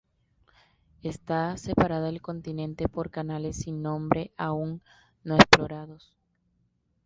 Está separada del continente por canales sin nombre aún no explorados.